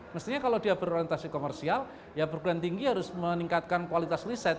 mestinya kalau dia berorientasi komersial ya perguruan tinggi harus meningkatkan kualitas riset